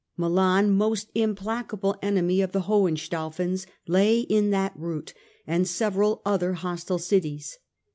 Milan, most implacable enemy of the Hohenstaufens, lay in that route, and several other hostile cities.